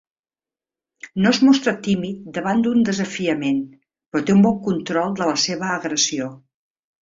No es mostra tímid davant d'un desafiament, però té un bon control de la seva agressió.